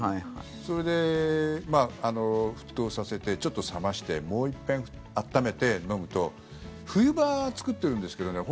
それで、沸騰させてちょっと冷ましてもう一遍温めて飲むと冬場作ってるんですけどね